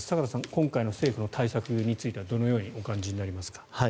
今回の政府の対策についてはどのようにお感じになりますか？